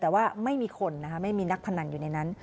แต่ว่าไม่มีคนนะคะไม่มีนักพนันอยู่ในนั้น